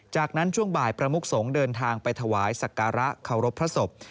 จากนั้นช่วงบ่ายประมุกสงฆ์เดินทางไปถวายสักการะเคารพพระศพ